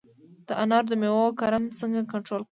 د انارو د میوې کرم څنګه کنټرول کړم؟